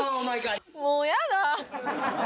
もう嫌だ。